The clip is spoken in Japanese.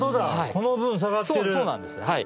この分下がってる。